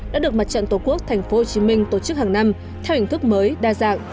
đã được mặt trận tổ quốc tp hcm tổ chức hàng năm theo hình thức mới đa dạng